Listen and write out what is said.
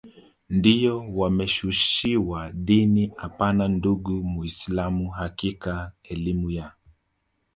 ndiyo wameshushiwa dini hapana ndugu muislam hakika elimu ya